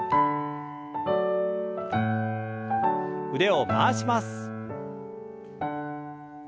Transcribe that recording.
腕を回します。